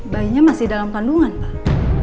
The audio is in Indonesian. bayinya masih dalam kandungan pak